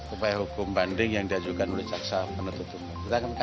upaya hukum banding yang diajukan oleh jaxa penutup